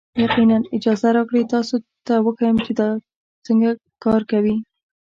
یقینا، اجازه راکړئ تاسو ته وښیم چې دا څنګه کار کوي.